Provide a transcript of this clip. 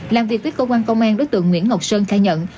làm việc với cơ quan công an đối tượng nguyễn ngọc sơn khai nhận